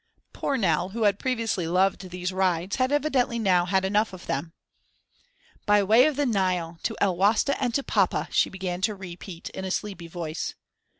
Poor Nell, who had previously loved these rides, had evidently now had enough of them. "By way of the Nile to El Wasta and to papa!" she began to repeat in a sleepy voice.